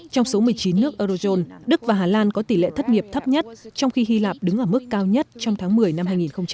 trong số một mươi chín nước eurozone đức và hà lan có tỷ lệ thất nghiệp thấp nhất trong khi hy lạp đứng ở mức cao nhất trong tháng một mươi năm hai nghìn hai mươi